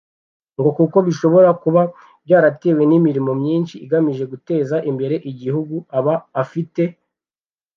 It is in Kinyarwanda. ngo kuko bishobora kuba byaratewe n’imirimo myinshi igamije guteza imbere igihugu aba afite